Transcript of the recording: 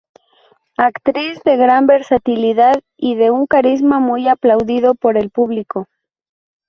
Actriz de gran versatilidad y de un carisma muy aplaudido por el público.